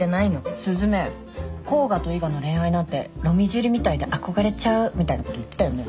雀「甲賀と伊賀の恋愛なんて『ロミジュリ』みたいで憧れちゃう」みたいなこと言ってたよね？